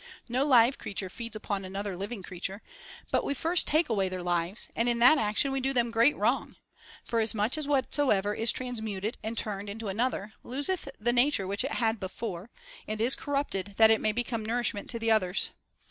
No live creature feeds upon another living creature, but we first take away their lives, and in that action we do them great wrong ; forasmuch as whatsoever is transmuted and turned into another loseth the nature which it had before, and is corrupted that it may become nourishment to the others.